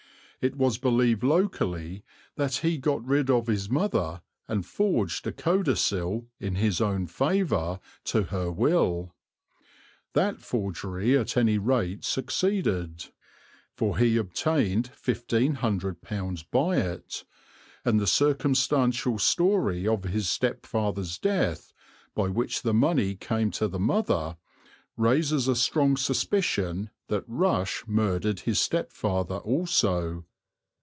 It was believed locally that he got rid of his mother and forged a codicil in his own favour to her will. That forgery at any rate succeeded, for he obtained £1500 by it; and the circumstantial story of his stepfather's death, by which the money came to the mother, raises a strong suspicion that Rush murdered his stepfather also.